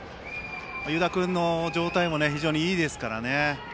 湯田君の状態も非常にいいですから。